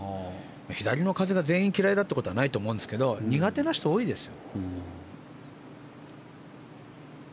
左の風が全員嫌いだということはないと思いますが苦手な人、多いですよ。